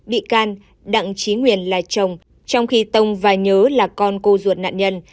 bị can đặng trí nguyên là chồng trong khi tông và nhớ là con cô ruột nạn nhân